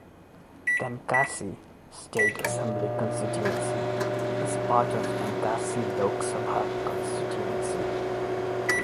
Tenkasi (state assembly constituency) is part of Tenkasi Lok Sabha constituency.